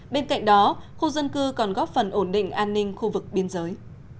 bên cạnh đó khu dân cư còn góp phần ổn định an ninh khu vực biên giới